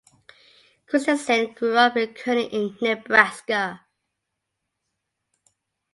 Christensen grew up in Kearney in Nebraska.